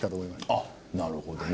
あっなるほどね。